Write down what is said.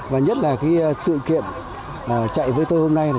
và nhất là sự kiện chạy với tôi hôm nay